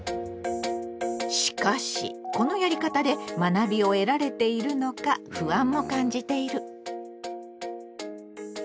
しかしこのやり方で学びを得られているのか不安も感じている。